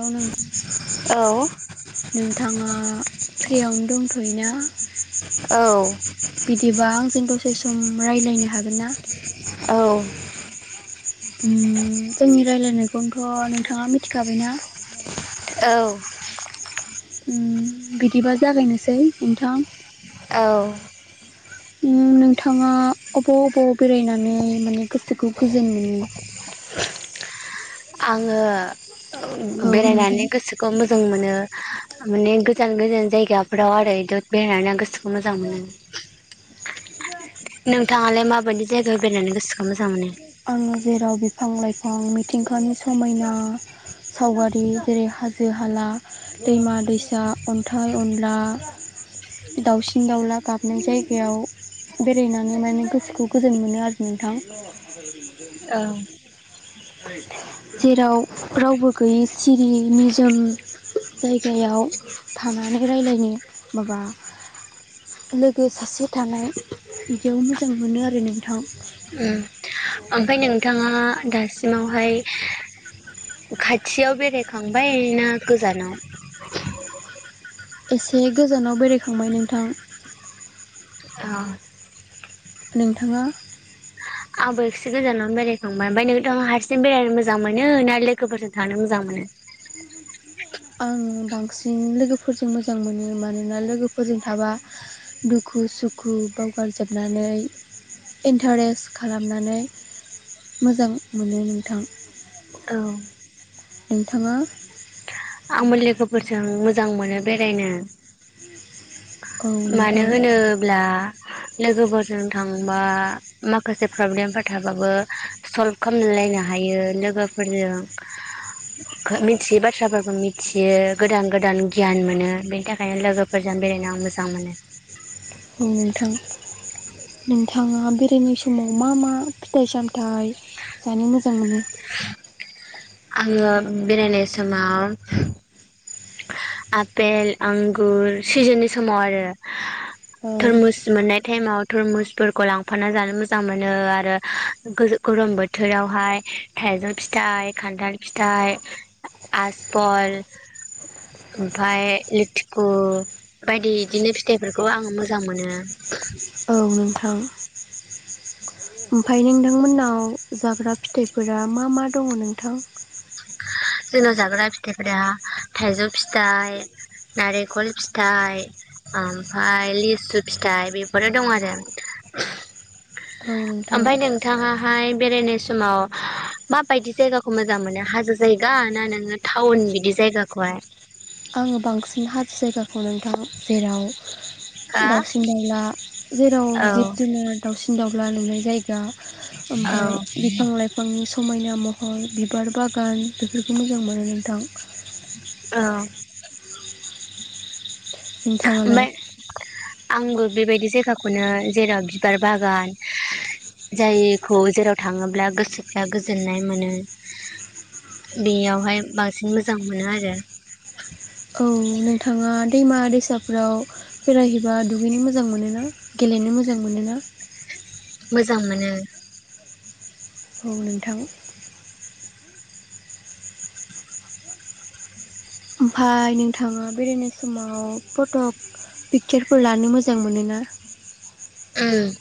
औ नों औ -नोंथाङा फ्रियावनो दंथ'योना? बिदिबा आंजों दसे दसे सम रायज्लायनो हागोन ना? औ। ओम जोंनि रायलायनायखौनोथ' नोंथाङा मिथिखाबायना? औ। ओम बिदिबा जागायनोसै नोंथां? औ। ओम नोंथाङा अबाव -अबाव बेरायनानै माने गोसोखौ गोजोन मोनो? [unintelligible] आङो औ नोंथां बेरायनानै गोसोखौ मोजां मोनो माने गोजान गोजान जायगाफ्राव आरो बेराद बेरायनानै आं गोसोखौ मोजां मोनो। नोंथाङालाय माबायदि जायगायाव बेरायनानै गोसोखौ मोजां मोनो? आङो जेराव बिफां -लाइफां मिथिंगानि समायना सावगारि जेरै हाजो- हाला दैमा- दैसा अन्थाइ अनला दाउसिन -दाउला गाबनाय जायगायाव बेरायनानै माने गोसोखौ गोजोन मोनो आरो नोंथां। औ जेराव रावबो गैयै सिरि निजोम जायगायाव थानानै रायलायनो माबा लोगो सासे थानाय बिदियाव मोजां मोनो आरो नोंथां। उम ओमफ्राय नोंथाङा [unintelligible] [unintelligible] खाथियाव बेरायखांबाय ना गोजानाव? एसे गोजानाव बेरायखांबाय नोंथां। अ नोंथाङा? आंबो एसे गोजानावनो बेरायखांबाय। ओमफ्राय नोंथांआ हारसिं बेरायनो मोजां मोनो ना लोगोफोरजों थानो मोजां मोनो? आङो बांसिन लोगोफोरजों मोजां मोनो मानोना लोगोफोरजों थाबा दुखु सुखु बावगारजोबनानै इन्टारेस्ट खालामनानै मोजां मोनो नोंथां। औ नोंथांङा? आंबो लोगोफोरजों मोजां मोनो बेरायनो। औ मानो नोंथां होनोब्ला लोगोफोरजों थांबा माखासे प्रब्लेमफोर थाबाबो सल्भ खालामनो रायलायनो हायो लोगोफोरजों मिथियि बाथ्राफोर मिथियो गोदान गोदान गियान मोनो बेनि थाखायनो लोगोफोरजों बेरायनो आं मोजां मोनो। औ नोंथां। नोंथाङा बेरायनाय समाव मा मा फिथाइ सामथाइ जानो मोजां मोनो। आङो बेरायनाय समाव आपेल आंगुर सिजोननि समाव आरो औ थोरमुस मोननाय टाइमाव थुरमुसफोरखौ लांफाना जानो मोजां मोनो आरो गोजा गरम बोथोरावहाय थाइजौ फिथाइ खान्थाल फिथाइ आसबल ओमफाय लिथुखु बायदि इदिनो फिथाइफोरखौ आङो मोजां मोनो। औ नोंथां। ओमफ्राय नोंथांमोननाव जाग्रा फिथाइफोरा मा मा दङ नोंथां? [inaudible] जोंनाव जाग्रा फिथाइफोरा थाइजौ फिथाइ नारेंखल फिथाइ ओमफ्राय लिसु फिथाइ बेफोरो दं आरो औ नोंथां ओमफाय नोंथाङाहाय बेरायनाय समाव मााबायदि जायगाखौ मोजां मोनो हाजो जायगा ना नोङो टाउन बिदि जा यगाखौहाय आङो बांसिन हाजो जायगाखौ नोंथां जेराव हा दाउसिन दाउला जेराव औ जिब जुनार दाउसिन दाउला नुनाय जायो दा औ ओमफाय बिफां लाइ फांनि समायना महर बिबार बागान बेफोरखौ मोजां मोनो नोंथां औ नोंथाङालाय ओमफाय [unintelligible] आंबो बेबायदि जायगाखौनो जेराव बिबार बागान जायखौ जेराव थाङोब्ला गोसोफ्रा गोजोननाय मोनो बेयावहाय बांसिन मोजां मोनो आरो औ नोंथाङा दैमा दैसाफोराव बेरायहैबा दुगैनो मोजां मोनोना गेलेनो मोजां मोनोना [inaudible] मोजां मोनो औ नोंथां ओमफाय नोंथाङा बेरायनाय समाव फट' पिकसारफोर लानो मोजां मोनोना [inaudible] ओम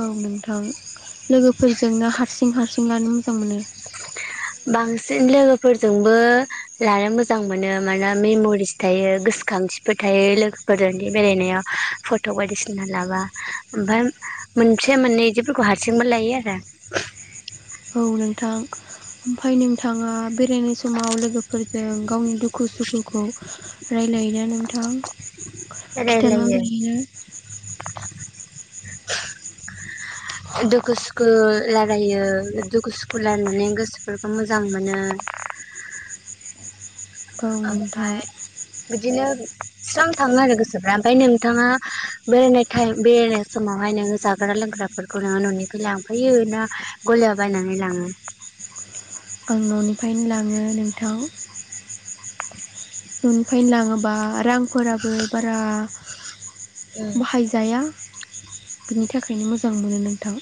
औ नोंथां लोगोफोरजोंनो हारसिं हारसिं लानो मोजां मोनो बांसिन लोगोफोरजोंबो लानो मोजां मोनो मानोना मेमरिस थायो गोसोखां थिफोर थायो लोगोफोरजों इदि बेरायनाया फट' बायदिसिना लाबा ओमफाय मोनसे मोननै बिदिफोरखौ हारसिंबो लायो आरो औ नोंथां ओमफाय नोंथाङा बेरायनाय समाव लोगोफोरजों गावनि दुखु सुखुखौ राय लायो ना नोंथां खिथाना [unintelligible] रायलायो [inaudible] दुखु सुखु रायलायो दुखु सुखु रायलायनानै गोसोफोरखौ मोजां मोनो [inaudible] औ नोंथां ओमफाय बिदिनो स्रां थाङो आरो गोसोफ्रा ओमफ्राय नोंथाङा बे मेथाइ बेरायनाय समावहाय नों नोङो जाग्रा लोंग्राफोरखौ नोङो न'निफ्राय लांफैयो ना गलायाव बायनानै लाङो आं न'निफ्रायनो लाङो नोंथां । न'निफ्रायनो लाङोबा रांफोराबो बारा बाहायजाया बिनि थाखायनो मोजां मोनो नोंथां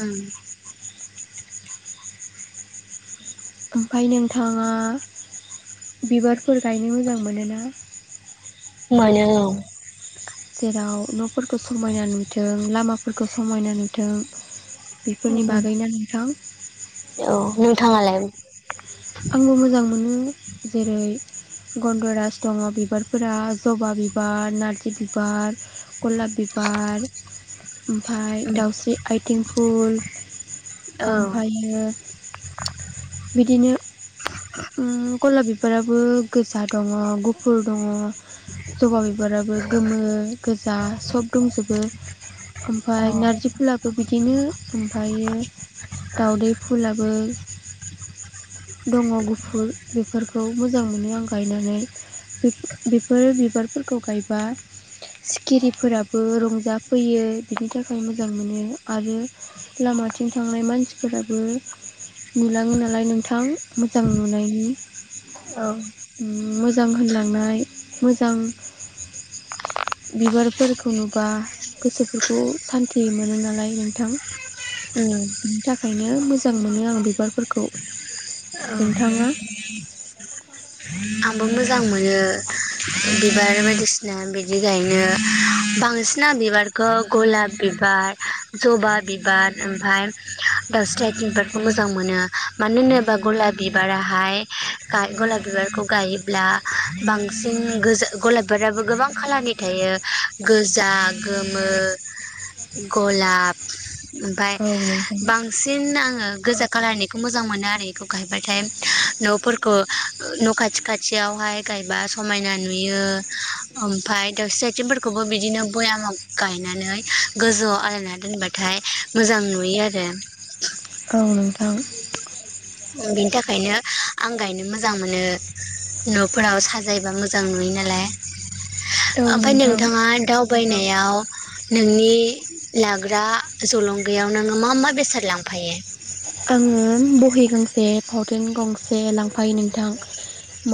उम ओमफाय नोंथाङा बिबारफोर गायनो मोजां मोनोना । मानो औ । जेराव न'फोरखौ समायना नुथों लामाफोरखौ समायना नुथों । बेफोरनि बागैनो नोंथां । औ [unintelligible] आंबो मोजां मोनो जेरै गन्द'राज दङ बिबारफोरा जबा बिबार नारजि बिबार गलाब बिबार ओमफाय दाउस्रि आथिं फुल औ ओमफायो बिदिनो उम गलाब बिबाराबो गोजा दङ गुफुर दङ जबा बि बिबाराबो गोमो गोजा सब दंजोबो ओमफाय नारजि फुलाबो बि बिदिनो ओमफायो दाउदै फुलाबो दङ गु फुर बेफोरखौ मोजां मोनो आं गायनानै बेफो बेफोर बिबारफोरखौ गायबा बा सिखिरिफोराबो रंजाफैयो बिनि थाखाय मोजां मोनो आरो ला लामाथिं थांनाय मानसिफोराबो नुलाङो नालाय नोंथां मोजां नुनाय मोनो ओयम औ मोजां होनलांनाय मोजां बिबारफोरखौ नुबा गोसोफोरखौ सान्थि मोनो नालाय नोंथां ओम ओंखायनो मोजां मोनो आं बिबारफोरखौ औ नोंथाङा [unintelligible] आंबो मोजां मोनो बिबार बायदिसिना बिदि गायनो बांसिन बायदिसिना बिबारखौ गलाब बिबार जबा बिबार ओमफ्राय दाउस्रि बिबारखौ मोजां मोनो मानो होनोबा गलाब बिबाराहाय गलाब बिबारखौ गायोब्ला बांसिन गोजा गलाब बिबार आबो गोबां खालारनि थायो गोजा गोमो गलाब । ओमफ्राय औ नोंथां बांसिन आङो गोजा । खालारनिखौ मोजां मोनो आरो इखौ गायबाथाय न'फोरखौ न' खाथि खाथियावहाय गायबा समायना नुयो ओमफाय दावस्रि आथिंफोरखौबो बिदिनो ब दामाव गायनानै गोजौआव आलायना दोनबाथाय मोजां नुयो आरो औ नोंथां बिनि थाखायनो आं गायनो मोजां मोनो न'फोराव साजायोबा मोजां नुयो नालाय औ ओमफ्राय नोंथां नोंथाङा दावबायनाय याव नोंनि लाग्रा जलंगायाव नोङो मा मा बेसाद लांफायो आङो बहि गांसे फावथेन गंसे लांफायो नोंथां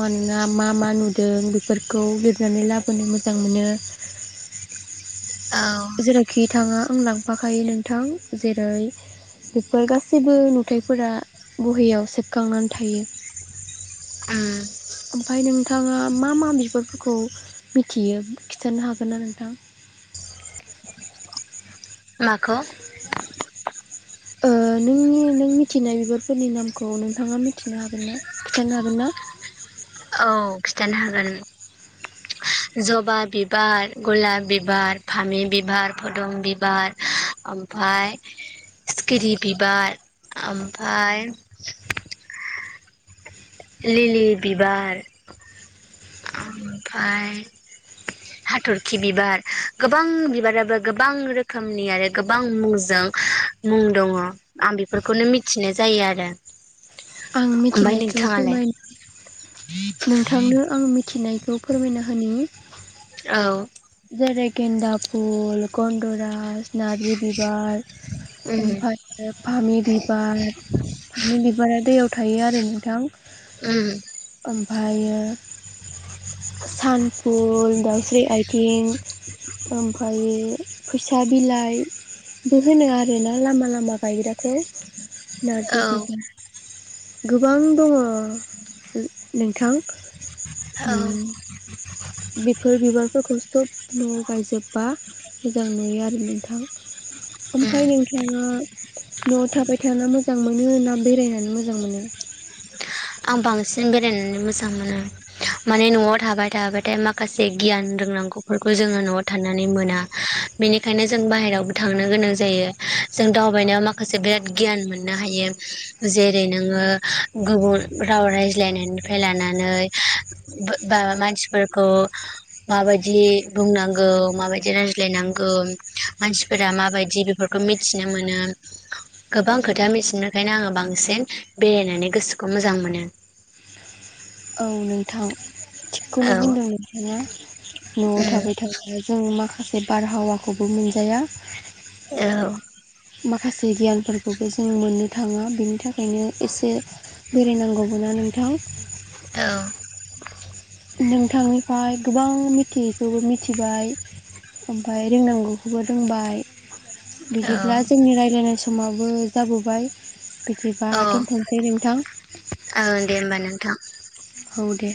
मानोना मा मा नुदों बेफोरखौ लिरनानै लाबोनो मोजां मोनो [unintelligible] औ खि थाङा आं लांफाखायो नोंथां जेरै बेफोर गासैबो नुथायफोरा बहियाव सेबखांनानै थायो ओ ओमफाय नोंथाङा मा मा बिबारफोरखौ मिथियो खिथानो हागोन ना नोंथां [unintelligible] माखौ ओ नोंनि नों मिथिनाय बिबारफोरनि नामखौ नोंथाङा मि नो हागोन ना खिथानो हागोन ना औ खिथानो हागोन जबा बिबार गलाब बिबार फामि बिबार फदम बिबार ओमफाय सिखिरि बिबार ओमफाय लिलि बिबार ओमफाय हाथरखि बिबार गोबां बिबाराबो गोबां रोखोमनि आरो गोबां मुंजों मुं दङ आं बेफोरखौनो मिथिनाय जायो आरो आं ओमफाय मिथिनायखौ नोंथाङालाय फोरमायनो नोंथांनो आं आं मिथिनायखौ फोरमायना होनि औ जेरै गेन्दा फुल गन्दरास नारजि बिबा बार उम अमफाय फामे बिबार फामे बिबारा दैआव थायो आरो नोंथां ओम अमफायो सानफुल दाउस्रि आइथिं [inaudible] ओमफ्रायो फैसा बिलाइ [inaudible] होनो आरोना लामा लामा गायग्राखौ नारजि औ बिबार गोबां दङ नोंथां औ उम बेफोर बिबारफोरखौ सब न'आव गायजोबबा मोजां नुयो आरो नोंथां ओमफ्राय नोंथाङा न'आव थाबाय था मोजां मोनो ना बेरायनानै मोजां मोनो आं बांसिन बेरायनानै मोजां मोनो माने न'आव थाबाय थाबाथाय माखासे गियान रोंनांगौफोरखौ जोङो न'आव थानानै मोना बेनिखायनो जों बाहेरायावबो थांनो गोनां जायो जों दावबायनायाव माखासे बिराद गियान मोननो हायो जेरै नोङो गुबुन राव रायज्लायनायनिफ्राय लानानै बा मानसिफोरखौ माबायदि बुंनांगौ माबायदि रायज्लायनांगौ मानसिफोरा माबायदि बेफोरखौ मिथिनो मोनो गोबां खोथा मिथिनोखायनो आङो बांसिन बेरायनानै गोसोखौ मोजां मोनो [inaudible] औ नोंथां औ थिगखौनो बुंदों नोंथाङा न'आव थाबाय उम थाबा जों माखासे माखासे बारहावाखौबो मोनजाया औ माखासे गियानफोरखौबो जों मोननो थाङा बिनि थाखायनो एसे बेरायनांगौबो [inaudible] नोंथां औ नोंथांनिफ्राय गोबां मिथियैखौबो मिथिबाय ओमफाय रोंनांगौखौबो रोंबाय औ बिदिब्ला जोंनि राय्लायनाय समाबो जाबोबाय बिदिबा औ दोनथ'सै नोंथां दे होमबा नोंथां। औ दे